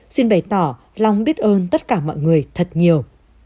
xin bày tỏ lòng biết ơn tất cả mọi người thật nhiều